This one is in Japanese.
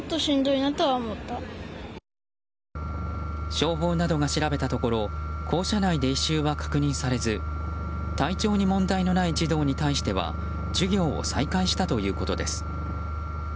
消防などが調べたところ校舎内で異臭は確認されず体調に問題のない児童に対しては授業を再開したということです。